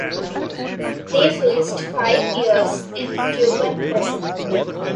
They faced five years in Cuban prison.